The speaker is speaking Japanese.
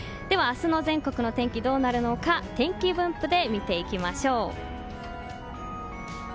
では、明日の全国の天気どうなるのか天気分布で見ていきましょう。